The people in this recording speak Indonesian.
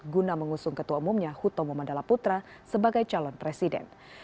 guna mengusung ketua umumnya hutomo mandala putra sebagai calon presiden